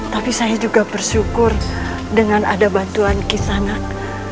tapi saya juga bersyukur dengan ada bantuan kis anak